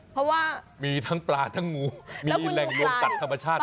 เพราะว่ามีทั้งปลาทั้งงูมีแหล่งรวมสัตว์ธรรมชาติ